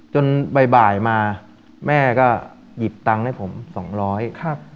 จนบ่ายมาแม่ก็หยิบตังค์ให้ผม๒๐๐บาท